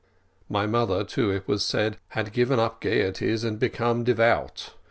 My mother, too, it was said, had given up gaieties and become devout.